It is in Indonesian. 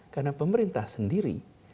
karena pemerintah sendiri